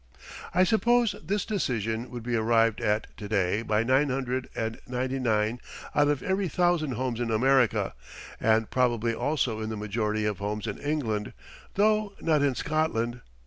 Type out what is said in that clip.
I suppose this decision would be arrived at to day by nine hundred and ninety nine out of every thousand homes in America, and probably also in the majority of homes in England, though not in Scotland.